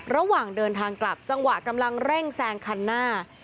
ระหว่างเดินทางกลับจังหวะกำลังเร่งแซงคันหน้า